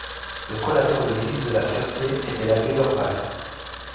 Le collateur de l'église de La Ferté était l'abbé d'Orval.